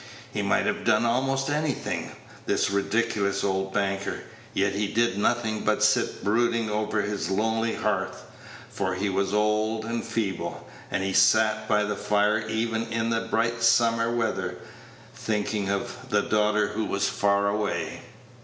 He might have done almost anything, this ridiculous old banker; yet he did nothing but sit brooding over his lonely hearth for he was old and feeble, and he sat by the fire even in the bright summer weather thinking of the daughter who was far away.